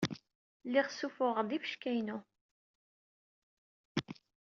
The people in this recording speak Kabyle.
Lliɣ ssuffuɣeɣ-d ifecka-inu.